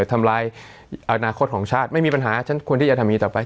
หรือทำลายอนาคตของชาติไม่มีปัญหาฉันควรที่จะทำงี้ต่อไป